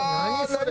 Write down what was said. それ。